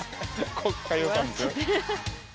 国家予算。